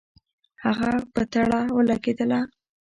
هغه په تړه ولګېدله.